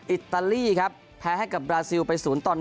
อิตาลีครับแพ้ให้กับบราซิลไป๐ต่อ๑